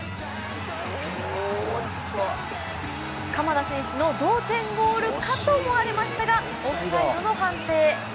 鎌田選手の同点ゴールかと思われましたがオフサイドの判定。